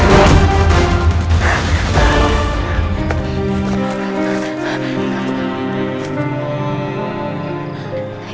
ya allah kau mendapatkan